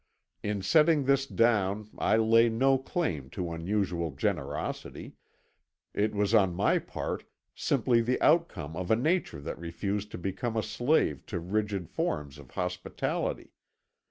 In setting this down I lay no claim to unusual generosity; it was on my part simply the outcome of a nature that refused to become a slave to rigid forms of hospitality.